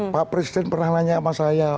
pak presiden pernah nanya sama saya